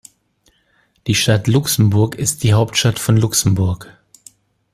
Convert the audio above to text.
Die Stadt Luxemburg ist die Hauptstadt von Luxemburg.